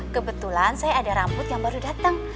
kebetulan saya ada rambut yang baru datang